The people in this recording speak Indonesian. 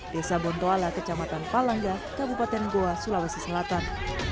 desa bontoala kecamatan palangga kabupaten goa sulawesi selatan